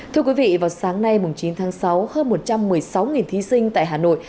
thưa quý vị vào sáng nay chín tháng sáu hơn một trăm một mươi sáu thí sinh tại hà nội